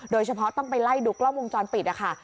โดยเฉพาะต้องไปไล่ดูกล้องวงจรปิดนะคะ